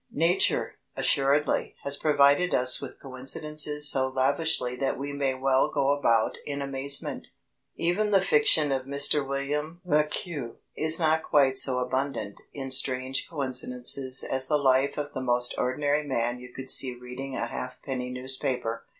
Nature, assuredly, has provided us with coincidences so lavishly that we may well go about in amazement. Even the fiction of Mr William Le Queux is not quite so abundant in strange coincidences as the life of the most ordinary man you could see reading a halfpenny newspaper.